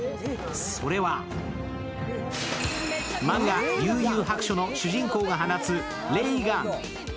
それは漫画「幽☆遊☆白書」の主人公が放つ霊丸。